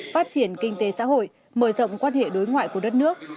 phát triển kinh tế xã hội mở rộng quan hệ đối ngoại của đất nước